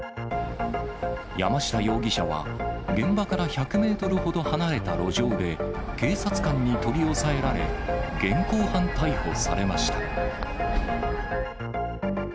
山下容疑者は、現場から１００メートルほど離れた路上で、警察官に取り押さえられ、現行犯逮捕されました。